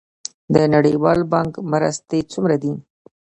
د نړیوال بانک مرستې څومره دي؟